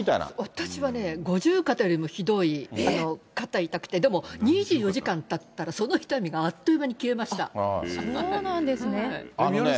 私はね、五十肩よりもひどい肩痛くて、でも、２４時間たったらその痛みがそうなんですね。